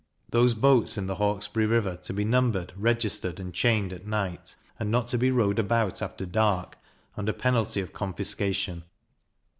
Those boats in the Hawkesbury river to be numbered, registered, and chained at night, and not to be rowed about after dark, under penalty of confiscation.